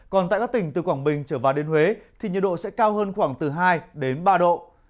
còn tại các tỉnh từ quảng bình trở vào đến huế thì nhiệt độ sẽ cao hơn khoảng từ hai đến ba độ